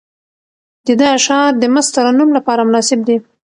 د ده اشعار د مست ترنم لپاره مناسب دي.